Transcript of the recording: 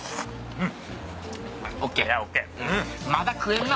うん。